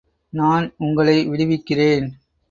நான் உங்களை விடுவிக்கிறேன்!